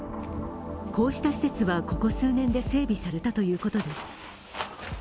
こうした施設はここ数年で整備されたということです。